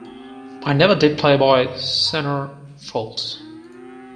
I never did "Playboy" centrefolds.